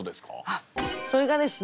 あっそれがですね